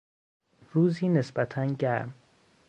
روزی نسبتا گرم